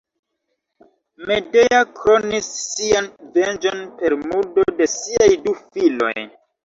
Medea kronis sian venĝon per murdo de siaj du filoj.